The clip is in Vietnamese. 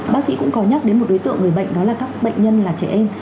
bác sĩ cũng có nhắc đến một đối tượng người bệnh đó là các bệnh nhân là trẻ em